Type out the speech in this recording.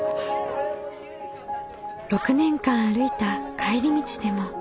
６年間歩いた帰り道でも。